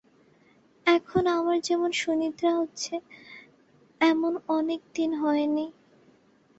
এখন আমার যেমন সুনিদ্রা হচ্ছে, এমন অনেক দিন হয়নি।